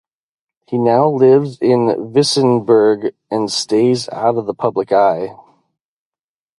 He now lives in Vissenbjerg, and stays out of the public eye.